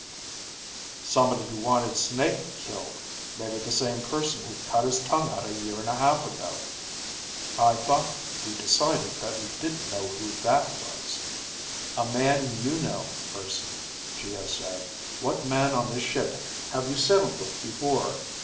"Somebody who wanted Snake killed. Maybe the same person who cut his tongue out a year and a half ago." "I thought we decided that we didn't know who that was." "A man you know, Urson," Geo said. "What man on this ship have you sailed with before?"